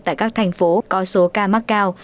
tại các thành phố có số ca mắc cao